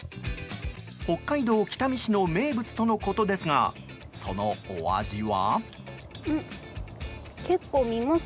北海道北見市の名物とのことですがそのお味は？